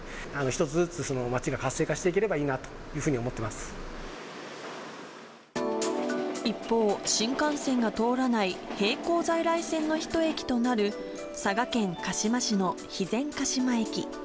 一つずつ街が活性化していければ一方、新幹線が通らない並行在来線の１駅となる佐賀県鹿島市の肥前鹿島駅。